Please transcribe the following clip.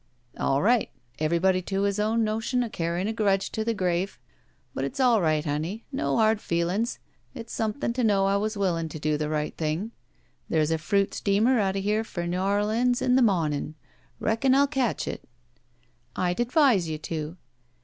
"All right. Everybody to his own notion of canyin' a grudge to the grave. But it's all right, honey. No hard feelin's. It's something to know I was willin' to do the right thing. There's a fruit steamer out of here for N 'Orleans in the mawnin'. Reckon I'll catch it." "I'd advise you to."